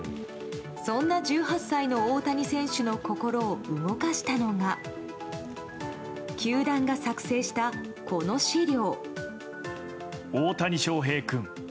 そんな１８歳の大谷選手の心を動かしたのが球団が作成した、この資料。